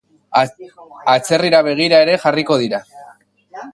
Atzerrira begira ere jarriko dira.